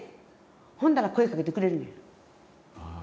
ほんだら声かけてくれるねん。